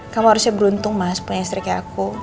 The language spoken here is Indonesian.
kamu harusnya beruntung mas punya istri kayak aku